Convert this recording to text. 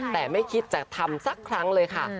แต่ไม่คิดจะทำสักครั้งเลยค่ะ